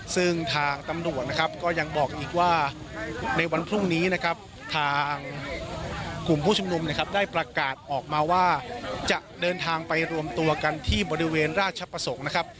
ซึ่งทางตำรวจนะครับก็ยังบอกอีกว่าในวันพรุ่งนี้นะครับทางกลุ่มผู้ชุมนุมนะครับได้ประกาศออกมาว่าจะเดินทางไปรวมตัวกันที่บริเวณราชประสงค์นะครับ